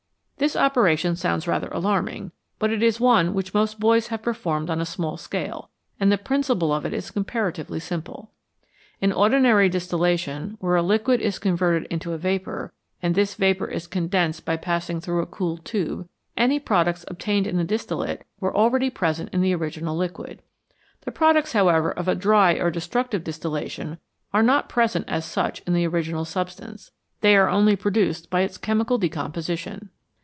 This operation sounds rather alarming, but it is one which most boys have performed on a small scale, and the principle of it is comparatively simple. In ordinary distillation, where a liquid is converted into a vapour, and this vapour is condensed by passing through a cooled tube, any products obtained in the distillate were already present in the original liquid. The pro ducts, however, of a dry or destructive distillation are not present as such in the original substance ; they are only produced by its chemical decomposition.